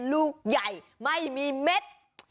ลูกใหญ่ไม่มีเม็ด